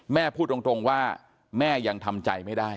แม่พูดตรงว่าแม่ยังทำใจไม่ได้